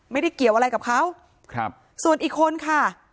ไม่ได้เกี่ยวอะไรกับเขาครับส่วนอีกคนค่ะ